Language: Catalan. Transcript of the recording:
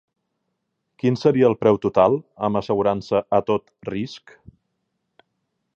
Quin seria el preu total, amb assegurança a tot risc?